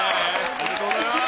おめでとうございます。